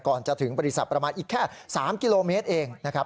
ก่อนจะถึงบริษัทประมาณอีกแค่๓กิโลเมตรเองนะครับ